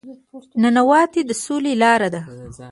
نانواتې د سولې لاره ده